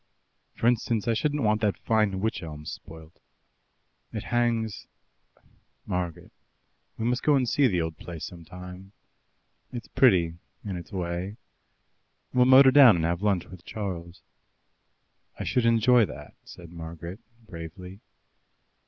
For instance, I shouldn't want that fine wych elm spoilt. It hangs Margaret, we must go and see the old place some time. It's pretty in its way. We'll motor down and have lunch with Charles." "I should enjoy that," said Margaret bravely.